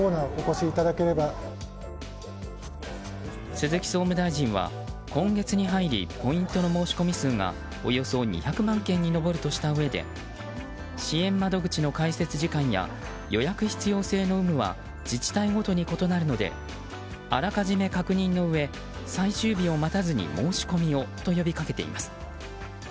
鈴木総務大臣は、今月に入りポイントの申込数がおよそ２００万件に上るとしたうえで支援窓口の開設時間や予約必要性の有無は自治体ごとに異なるのであらかじめ確認のうえ最終日を待たずに申し込みをと呼びかけています。